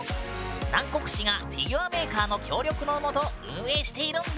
南国市がフィギュアメーカーの協力のもと運営しているんだ。